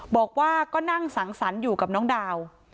บอกว่าก็นั่งสังสรรค์อยู่กับน้องดาว